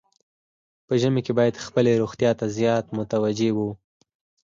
په ژمي کې باید خپلې روغتیا ته زیات متوجه وو.